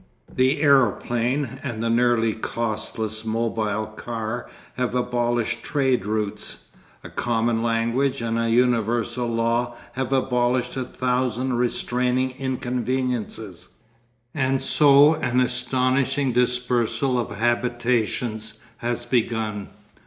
The aeroplane and the nearly costless mobile car have abolished trade routes; a common language and a universal law have abolished a thousand restraining inconveniences, and so an astonishing dispersal of habitations has begun.